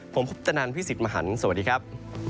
ผมคุปตนันพี่สิทธิ์มหันฯสวัสดีครับ